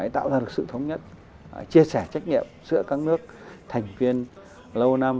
tạo ra được sự thống nhất chia sẻ trách nhiệm giữa các nước thành viên lâu năm